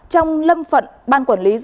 trong lâm phận ban quản lý rừng